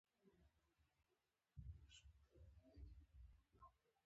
پوخ ملګری تل وفادار وي